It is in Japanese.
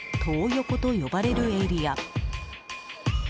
横と呼ばれるエリア。